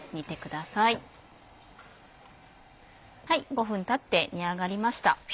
５分たって煮上がりました。